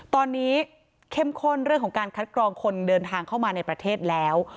ตอนนี้เข้มข้นเรื่องของการคัดกรองคนเดินทางเข้ามาในประเทศแล้ว